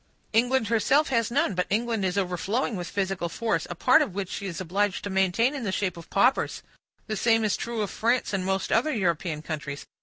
England herself has none, but England is overflowing with physical force, a part of which she is obliged to maintain in the shape of paupers. The same is true of France, and most other European countries.